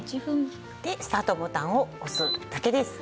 でスタートボタンを押すだけです。